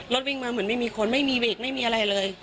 วิ่งมาเหมือนไม่มีคนไม่มีเบรกไม่มีอะไรเลย